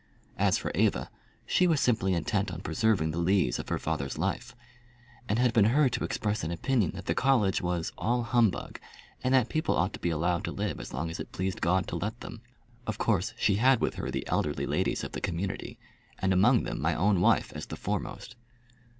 As for Eva, she was simply intent on preserving the lees of her father's life, and had been heard to express an opinion that the college was "all humbug," and that people ought to be allowed to live as long as it pleased God to let them. Of course she had with her the elderly ladies of the community, and among them my own wife as the foremost.